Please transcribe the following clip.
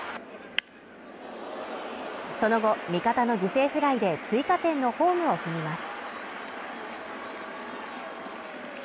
その後、味方の犠牲フライで追加点のホームを踏みます。